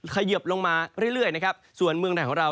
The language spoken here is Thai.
ขยับลงมาเรื่อยส่วนเมืองแหล่งของเรา